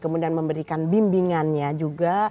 kemudian memberikan bimbingannya juga